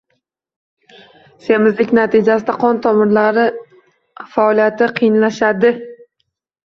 Semizlik natijasida qon tomirlari faoliyati qiyinlashadi.